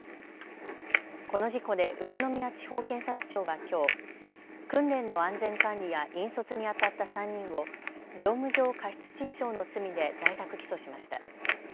この事故で宇都宮地方検察庁はきょう、訓練の安全管理や引率にあたった３人を業務上過失致死傷の罪で在宅起訴しました。